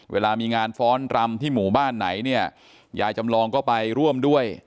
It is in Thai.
เวลามีงานฟ้อนรำที่หมู่บ้านไหนเนี่ยยายจำลองก็ไปร่วมด้วย